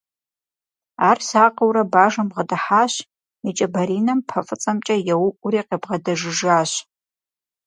Ар сакъыурэ бажэм бгъэдыхьащ, и кӀэ баринэм пэ фӀыцӀэмкӀэ еуӀури къыбгъэдэжыжащ.